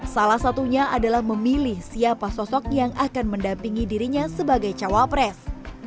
salah satunya adalah memilih siapa sosok yang akan mendampingi dirinya sebagai cawapres